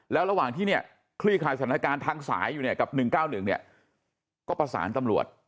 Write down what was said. แล้วระหว่างที่คลีกฐานสนักการณ์ทั้งสายอยู่เนี่ยกับ๑๙๑ก็ประสานตำรวจ